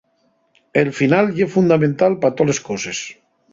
El final ye fundamental pa toles coses.